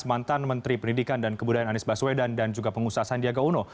mantan menteri pendidikan dan kebudayaan anies baswedan dan juga pengusaha sandiaga uno